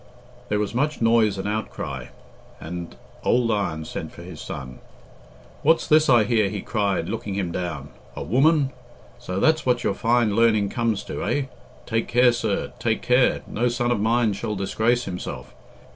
There was much noise and outcry, and old Iron sent for his son. "What's this I hear?" he cried, looking him down. "A woman? So that's what your fine learning comes to, eh? Take care, sir! take care! No son of mine shall disgrace himself.